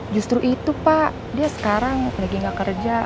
justru itu pak dia sekarang lagi gak kerja